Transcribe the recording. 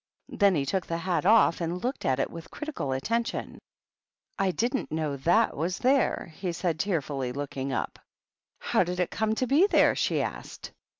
Then he took the hat off, and looked at it with critical attention. " I didn't know that was there," he said, tear fully, looking up. "How did it come to be there?" she asked.